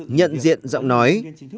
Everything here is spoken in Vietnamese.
nhận diện giọng nói